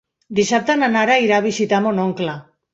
Dissabte na Nara irà a visitar mon oncle.